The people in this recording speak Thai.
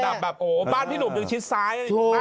ประดับแบบบ้านพี่หนุ่มที่นุ่มชิดซ้าย